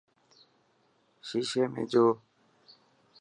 شيشي ۾ جو.